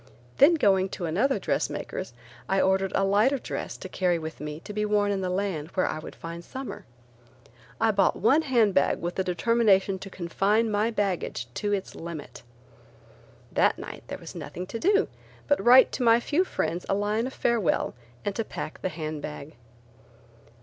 Then going to another dressmaker's, I ordered a lighter dress to carry with me to be worn in the land where I would find summer. I bought one hand bag with the determination to confine my baggage to its limit. That night there was nothing to do but write to my few friends a line of farewell and to pack the hand bag.